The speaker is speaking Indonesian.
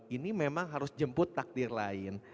ini memang harus jemput takdir lain